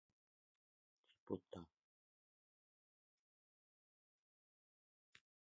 Наконец виноватый Кузьма, насилу переводя дух, влетел в комнату с рубашкой.